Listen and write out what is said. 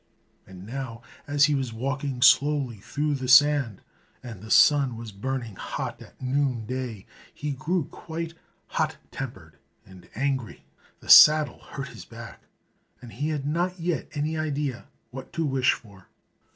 And now as he was walking slowly through the sand, and the sun was burning hot at noon day, he grew quite hot tempered and angry. The saddle hurt his back, and he had not yet any idea what to wish for.